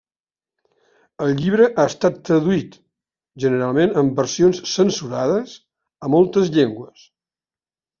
El llibre ha estat traduït, generalment en versions censurades, a moltes llengües.